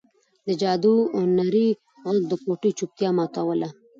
د جارو نري غږ د کوټې چوپتیا ماتوله.